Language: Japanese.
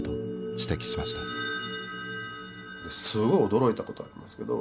すごい驚いたことありますけど。